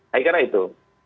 baik karena itu